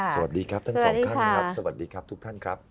สวัสดีครับทั้งสองท่านครับสวัสดีครับทุกท่านครับ